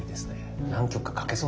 何曲か書けそうだね